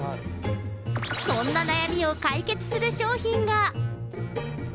そんな悩みを解決する商品が。